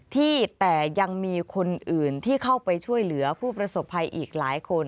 ที่แต่ยังมีคนอื่นที่เข้าไปช่วยเหลือผู้ประสบภัยอีกหลายคน